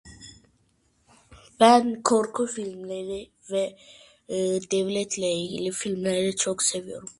Ben korku filmleri ve devletle ilgili filmleri çok seviyorum.